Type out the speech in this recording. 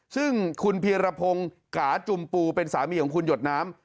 ซึ่งคุณเพียรพงศ์กาจุ่มปูเป็นสามีของคุณหยดน้ำ